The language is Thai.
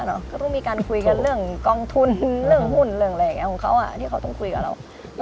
หมุนเสริมนิดหนึ่งของเขาที่เขาต้องคุยกับเรา